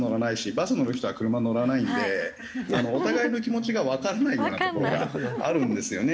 バス乗る人は車乗らないんでお互いの気持ちがわからないようなところがあるんですよね。